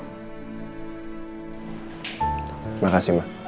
terima kasih ma